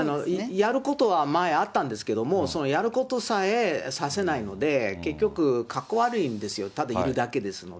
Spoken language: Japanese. やることは前あったんですけれども、やることさえさせないので、結局、かっこ悪いんですよ、ただいるだけですので。